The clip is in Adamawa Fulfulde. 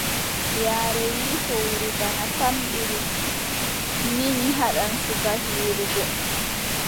Yaare wii, fowru bana pamɗiri mi, nii, mi haɗan suka hiirugo.